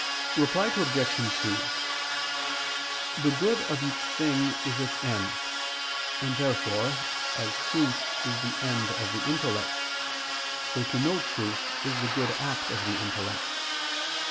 Reply Obj. 2: The good of each thing is its end: and therefore, as truth is the end of the intellect, so to know truth is the good act of the intellect.